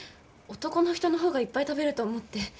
男の人の方がいっぱい食べると思って。